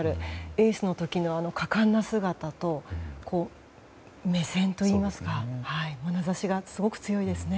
エースの時の果敢な姿と目線といいますか、まなざしがすごく強いですね。